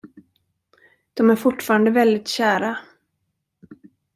De är fortfarande väldigt kära.